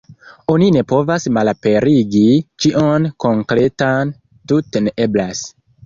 Oni ne povas malaperigi ĉion konkretan, tute ne eblas.